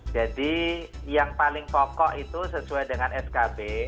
jadi yang paling pokok itu sesuai dengan skb